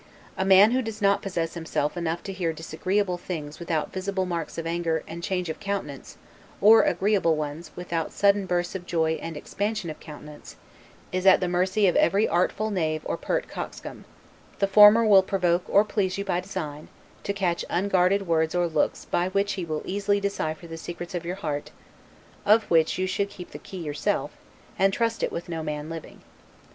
A man who does not possess himself enough to hear disagreeable things without visible marks of anger and change of countenance, or agreeable ones, without sudden bursts of joy and expansion of countenance, is at the mercy of every artful knave or pert coxcomb; the former will provoke or please you by design, to catch unguarded words or looks by which he will easily decipher the secrets of your heart, of which you should keep the key yourself, and trust it with no man living.